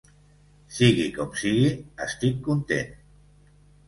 Sigui com sigui, estic content.